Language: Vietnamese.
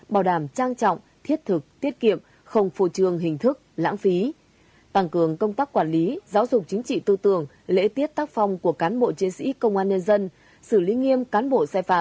bảo đảm trang trọng thiết thực tiết kiệm không phô trương hình thức lãng phí tăng cường công tác quản lý giáo dục chính trị tư tưởng lễ tiết tác phong của cán bộ chiến sĩ công an nhân dân xử lý nghiêm cán bộ sai phạm